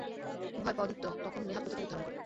উভয় পদই তখন নেহাৎ প্রতীকী রূপ ধারণ করে।